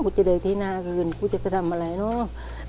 จะเดินที่หน้าคืนกูจะไปทำอะไรเนอะ